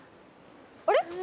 あれ？